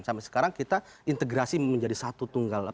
sampai sekarang kita integrasi menjadi satu tunggal